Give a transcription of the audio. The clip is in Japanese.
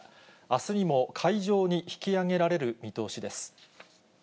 あすにも海上に引き揚げられる見通しです。